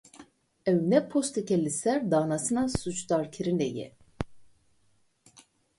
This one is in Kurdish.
Ev ne posteke li ser danasîna sûcdarkirinê ye.